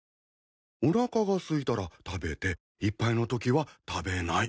おなかがすいたら食べていっぱいのときは食べない。